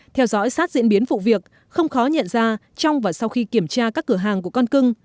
theo dõi sát diễn biến vụ việc không khó nhận ra trong và sau khi kiểm tra các cửa hàng của con cưng